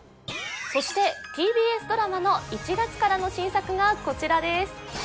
そしてＴＢＳドラマの１月からの新作がこちらです